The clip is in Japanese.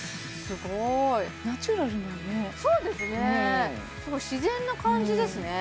すごい自然な感じですね